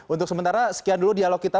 untuk sementara sekian dulu dialog kita